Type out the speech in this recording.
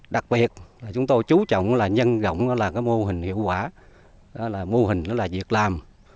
đặc biệt chúng tôi chú trọng nhân gọng mô hình hiệu quả mô hình việc làm